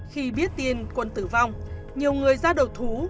khi biết tin quân tử vong nhiều người ra đầu thú